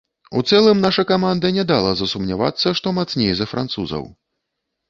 У цэлым, наша каманда не дала засумнявацца, што мацней за французаў.